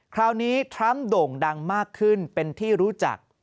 คราวนี้ทรัมป์โด่งดังมากขึ้นเป็นที่รู้จัก